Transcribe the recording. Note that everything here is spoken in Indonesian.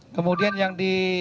kemudian yang di